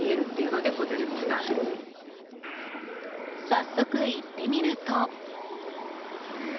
早速、行ってみると。